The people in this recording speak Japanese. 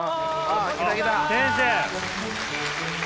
先生。